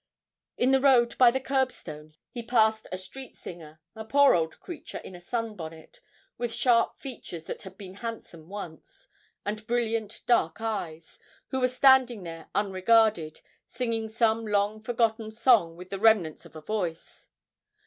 In the road by the kerbstone he passed a street singer, a poor old creature in a sun bonnet, with sharp features that had been handsome once, and brilliant dark eyes, who was standing there unregarded, singing some long forgotten song with the remnants of a voice.